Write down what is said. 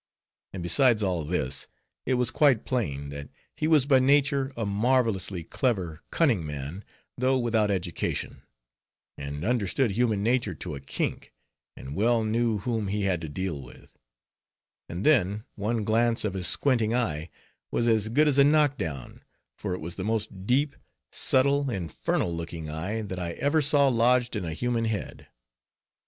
And besides all this, it was quite plain, that he was by nature a marvelously clever, cunning man, though without education; and understood human nature to a kink, and well knew whom he had to deal with; and then, one glance of his squinting eye, was as good as a knock down, for it was the most deep, subtle, infernal looking eye, that I ever saw lodged in a human head.